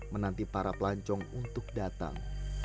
menanti para pelancong untuk datang